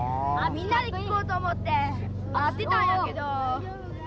みんなで聞こうと思って待ってたんやけど。